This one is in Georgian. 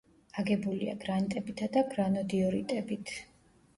აგებულია გრანიტებითა და გრანოდიორიტებით.